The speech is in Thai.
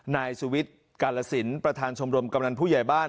นายสุวิทย์กาลสินประธานชมรมกำนันผู้ใหญ่บ้าน